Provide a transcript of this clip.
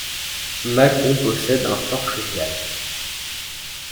Mâcon possède un port fluvial.